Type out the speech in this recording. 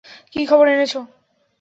কী খবর এনেছো?